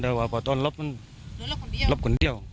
แต่ว่าประตอนรอบมันรอคนเดียว